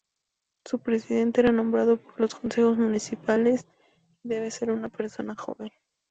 Su presidente es nombrado por los Concejos Municipales y debe ser una persona joven.